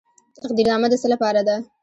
تقدیرنامه د څه لپاره ده؟